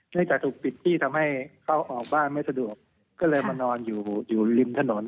จากถูกปิดที่ทำให้เข้าออกบ้านไม่สะดวกก็เลยมานอนอยู่อยู่ริมถนน